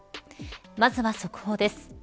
まずは速報です。